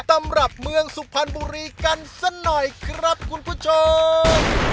ตำรับเมืองสุพรรณบุรีกันสักหน่อยครับคุณผู้ชม